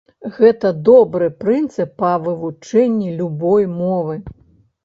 Гэта добры прынцып па вывучэнні любой мовы.